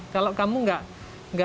kalau kamu tidak bisa